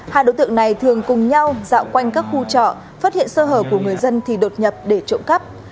hai đối tượng này thường cùng nhau dạo quanh các khu trọ phát hiện sơ hở của người dân thì đột nhập để trộm cắp